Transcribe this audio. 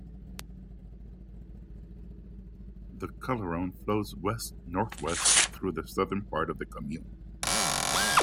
The Chalaronne flows west-northwest through the southern part of the commune.